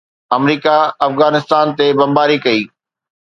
آمريڪا افغانستان تي بمباري ڪئي.